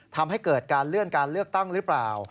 ทำให้เกิดการเลื่อนการเลือกตั้งหรือเปล่า